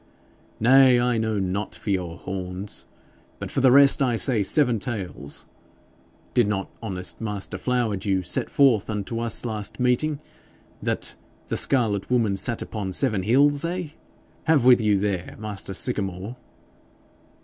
'Nay, I know not for your horns; but for the rest I say seven tails. Did not honest master Flowerdew set forth unto us last meeting that the scarlet woman sat upon seven hills eh? Have with you there, master Sycamore!'